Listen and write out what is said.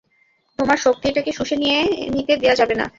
তোমার শক্তি এটাকে শুষে নিতে দেয়া যাবে না।